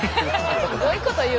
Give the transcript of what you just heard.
すごいこと言う。